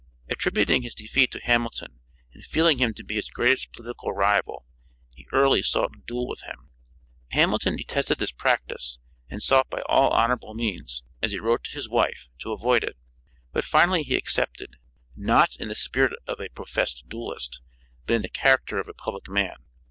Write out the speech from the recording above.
Attributing his defeat to Hamilton, and feeling him to be his greatest political rival, he early sought a duel with him. Hamilton detested this practice, and sought by all honorable means, as he wrote to his wife, to avoid it. But finally he accepted, not in the spirit of a professed duelist, but in the character of a public man.